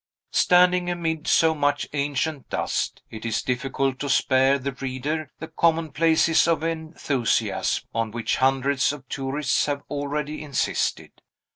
Standing amid so much ancient dust, it is difficult to spare the reader the commonplaces of enthusiasm, on which hundreds of tourists have already insisted.